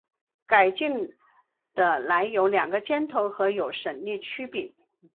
改进的耒有两个尖头或有省力曲柄。